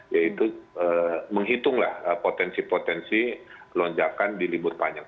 yaitu menghitunglah potensi potensi lonjakan di libur panjang